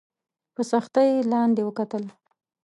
په سختۍ یې لاندي وکتل !